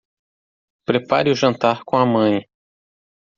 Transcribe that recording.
Prepare o jantar com a mãe